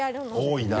多いな。